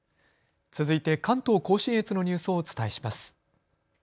続いて関東甲信越のニュースをお伝えします。